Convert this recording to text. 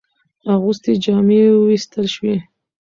اغوستي جامې ووېستل شوې.